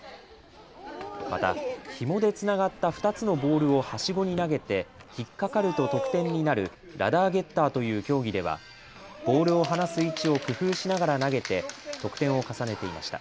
また、ひもでつながった２つのボールをはしごに投げて引っ掛かると得点になるラダーゲッターという競技ではボールを離す位置を工夫しながら投げて得点を重ねていました。